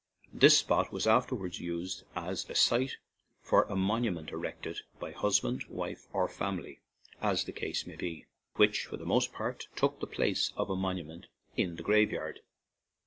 This spot was afterwards used as a site for a monument, erect 8 113 ON AN IRISH JAUNTING CAR ed by husband, wife, or family, as the case might be, which for the most part took the place of a monument in the graveyard.